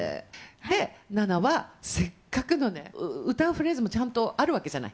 で、ナナは、せっかくのね、フレーズもちゃんとあるわけじゃない。